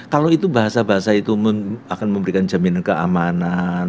kalau itu bahasa bahasa itu akan memberikan jaminan keamanan